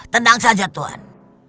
tenang saja tuhan